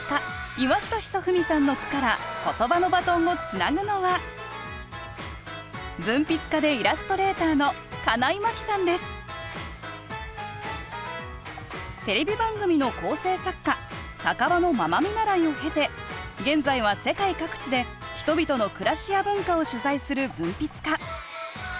岩下尚史さんの句からことばのバトンをつなぐのは文筆家でイラストレーターの金井真紀さんですテレビ番組の構成作家酒場のママ見習いを経て現在は世界各地で人々の暮らしや文化を取材する文筆家。